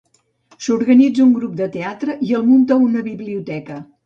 S'organitza un grup de teatre i el munta una biblioteca.